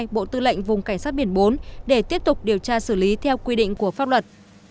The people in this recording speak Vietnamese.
bộ tư lệnh vùng cảnh sát biển bốn để tiếp tục điều tra xử lý theo quy định của pháp luật